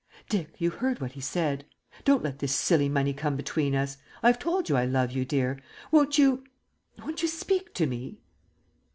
_ Dick, you heard what he said. Don't let this silly money come between us. I have told you I love you, dear. Won't you won't you speak to me?